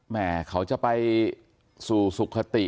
แม่เขาจะไปสู่สุขติ